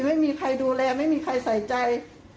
ไม่มีใครดูแลไม่มีใครใส่ใจ